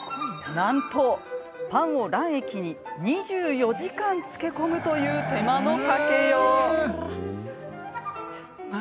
なんと、パンを卵液に２４時間漬け込むという手間のかけよう。